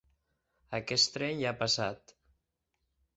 Aquest tren ja ha passat.